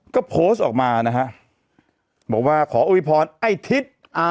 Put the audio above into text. ก็โพสต์ออกมานะฮะบอกว่าขอโวยพรไอ้ทิศอ่า